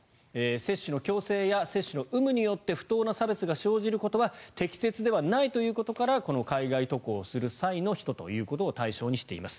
接種の強制や接種の有無によって不当な差別が生じることは適切ではないということからこの海外渡航をする際の人ということを対象にしています。